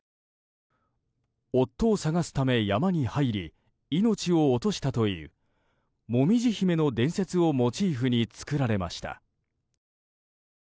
夫を捜すため山に入り命を落としたというもみじ姫の伝説をモチーフに作られました。